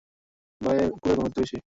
বাঁয়ে কোরের ঘনত্ব বেশি।